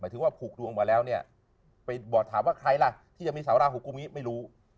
ถึงว่าผูกดวงมาแล้วเนี่ยไปบอดถามว่าใครล่ะที่จะมีสาวราหูกุมนี้ไม่รู้